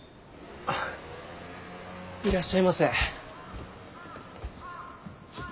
いらっしゃいませ。